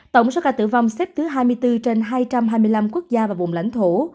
tổng số ca tử vong xếp thứ hai mươi bốn trên hai trăm hai mươi năm quốc gia và vùng lãnh thổ